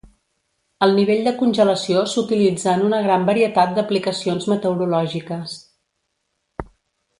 El nivell de congelació s'utilitza en una gran varietat d'aplicacions meteorològiques.